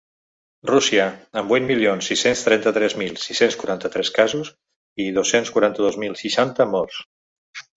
Rússia, amb vuit milions sis-cents trenta-tres mil sis-cents quaranta-tres casos i dos-cents quaranta-dos mil seixanta morts.